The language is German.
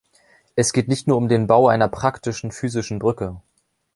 Es geht nicht nur um den Bau einer praktischen, physischen Brücke.